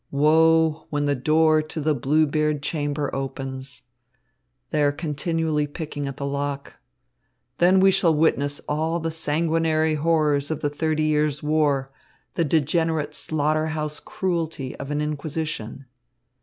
Woe, when the door to the Bluebeard chamber opens. They are continually picking at the lock. Then we shall witness all the sanguinary horrors of the Thirty Years' War, the degenerate slaughter house cruelty of an inquisition."